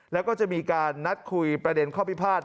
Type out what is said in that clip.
แล้วก็จะมีการนัดคุยประเด็นข้อพิพาท